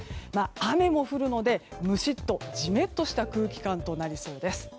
雨も降るのでムシッと、ジメッとした空気感となりそうです。